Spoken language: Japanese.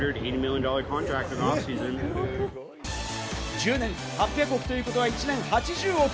１０年８００億ということは、１年８０億。